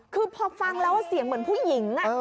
คือพอฟังแล้วเสียงเหมือนผู้หญิง